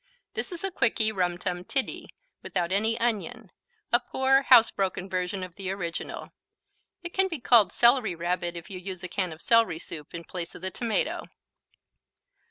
This is a quickie Rum Tum Tiddy, without any onion, a poor, housebroken version of the original. It can be called a Celery Rabbit if you use a can of celery soup in place of the tomato.